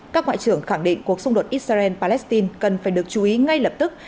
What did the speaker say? các ngoại trưởng khẳng định cuộc xung đột israel palestine cần phải được chú ý ngay lập tức